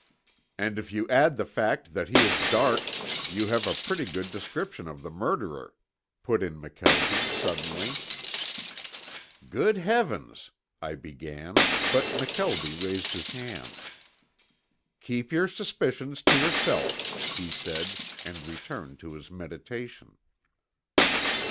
"And if you add the fact that he is dark, you have a pretty good description of the murderer," put in McKelvie suddenly. "Good heavens!" I began, but McKelvie raised his hand. "Keep your suspicions to yourself," he said, and returned to his meditation.